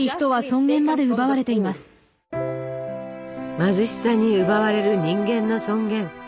貧しさに奪われる人間の尊厳。